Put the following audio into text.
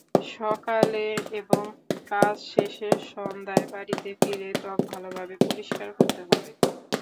সকালে এবং কাজ শেষে সন্ধ্যায় বাড়িতে ফিরে ত্বক ভালোভাবে পরিষ্কার করতে হবে।